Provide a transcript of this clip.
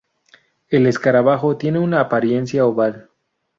El escarabajo tiene una apariencia oval.